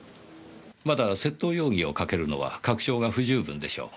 まだ窃盗容疑をかけるのは確証が不十分でしょう。